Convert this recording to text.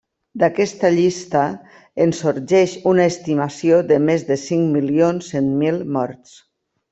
D'aquesta llista en sorgeix una estimació de més de cinc milions cent mil morts.